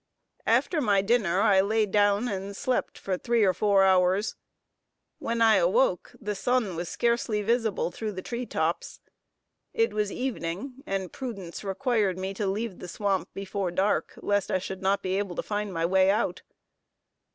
After my dinner I lay down and slept for three or four hours. When I awoke, the sun was scarcely visible through the tree tops. It was evening, and prudence required me to leave the swamp before dark, lest I should not be able to find my way out.